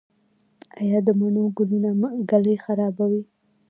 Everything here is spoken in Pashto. آیا د مڼو ګلونه ږلۍ خرابوي؟